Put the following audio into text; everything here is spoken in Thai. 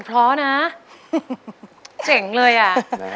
๑มูลค่า๑๐๐๐๐บาทนะครับ